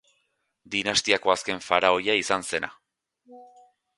Dinastiako azken faraoia izan zena.